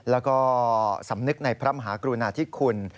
แล้วก็สำนึกในพระมหากรุณาธิคุณ